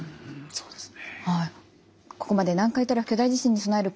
そうですね。